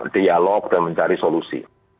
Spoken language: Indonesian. dialog dan mencari solusi